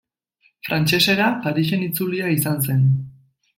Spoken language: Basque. Frantsesera, Parisen itzulia izan zen.